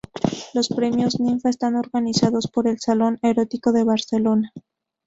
Los premios Ninfa están organizados por el Salón Erótico de Barcelona.